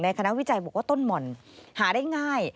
คณะวิจัยบอกว่าต้นหม่อนหาได้ง่าย